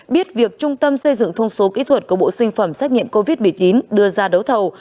biết việc trung tâm xây dựng thông số kỹ thuật của bộ sinh phẩm xét nghiệm covid một mươi chín đưa ra đấu thầu